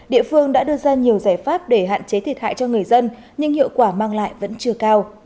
địa phương đã đưa ra nhiều giải pháp để hạn chế thiệt hại cho người dân nhưng hiệu quả mang lại vẫn chưa cao